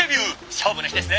勝負の日ですね！